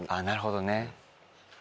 なるほどね。